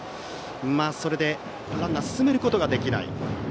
それでランナーを進めることができない。